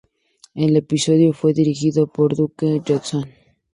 El episodio fue dirigido por Duke Johnson.